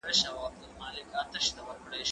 زه له سهاره سړو ته خواړه ورکوم؟!